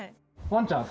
ワンちゃん？